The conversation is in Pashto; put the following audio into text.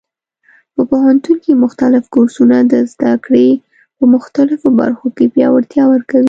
په پوهنتون کې مختلف کورسونه د زده کړې په مختلفو برخو کې پیاوړتیا ورکوي.